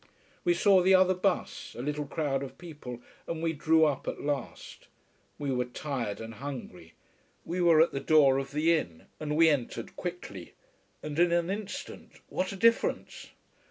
We saw the other bus a little crowd of people and we drew up at last. We were tired and hungry. We were at the door of the inn, and we entered quickly. And in an instant, what a difference!